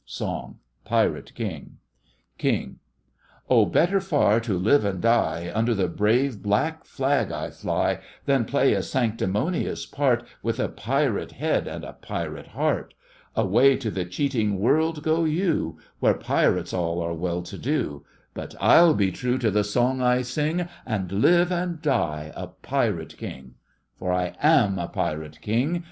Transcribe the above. SONG — PIRATE KING KING: Oh, better far to live and die Under the brave black flag I fly, Than play a sanctimonious part With a pirate head and a pirate heart. Away to the cheating world go you, Where pirates all are well to do; But I'll be true to the song I sing, And live and die a Pirate King. For I am a Pirate King!